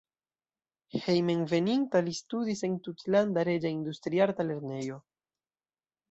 Hejmenveninta li studis en Tutlanda Reĝa Industriarta Lernejo.